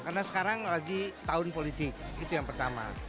karena sekarang lagi tahun politik itu yang pertama